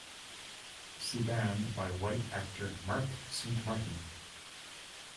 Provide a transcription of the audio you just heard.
Subban by white actor Marc Saint-Martin.